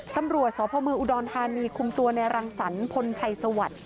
ตำรวจสมอุดรธานีคุมตัวในรังสรรพลชัยสวรรค์